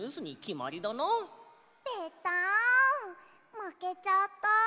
まけちゃった。